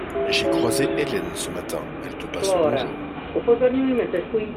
J'ai croisé Hélène ce matin, elle te passe le bonjour.